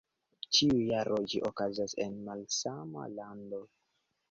Ĉiu jaro ĝi okazas en malsama lando.